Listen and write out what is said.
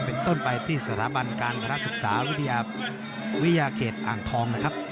เป็นต้นไปที่สถาบันการพระศึกษาวิทยาเขตอ่างทองนะครับ